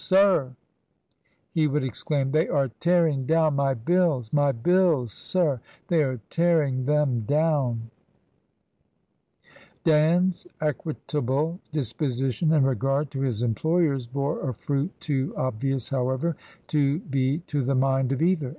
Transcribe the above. " Sir !" he would exclaim, " they are tearing down my bills ! My bUlSy sir ! They are tearing them down !" Dan's equitable disposition in regard to his employers bore a fruit too obvious, however, to be to the mind of either.